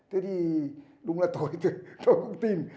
thế thì đúng là tôi cũng tin